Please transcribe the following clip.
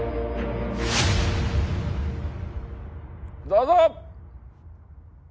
どうぞ！